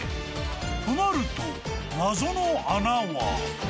［となると謎の穴は］